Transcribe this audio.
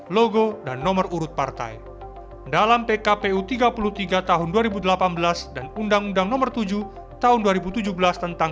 logo dan nomor urut partai dalam pkpu tiga puluh tiga tahun dua ribu delapan belas dan undang undang nomor tujuh tahun dua ribu tujuh belas tentang